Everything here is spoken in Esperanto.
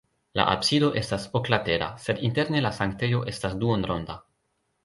La absido estas oklatera, sed interne la sanktejo estas duonronda.